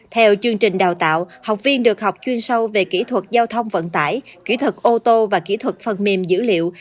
theo chương trình đào tạo học viên được học chuyên sâu về kỹ thuật giao thông vận tải kỹ thuật ô tô và kỹ thuật phần mềm dữ liệu